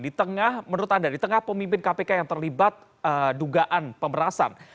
di tengah menurut anda di tengah pemimpin kpk yang terlibat dugaan pemerasan